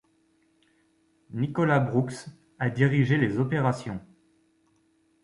Nicholas Brooks a dirigé les opérations.